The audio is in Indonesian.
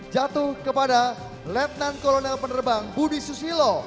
jatuh kepada letnan kolonel penerbang budi susilo